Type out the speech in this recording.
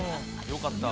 よかった。